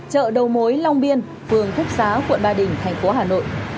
chợ đầu mối long biên phường phúc xá quận ba đình thành phố hà nội